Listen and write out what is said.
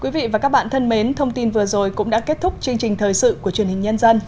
quý vị và các bạn thân mến thông tin vừa rồi cũng đã kết thúc chương trình thời sự của truyền hình nhân dân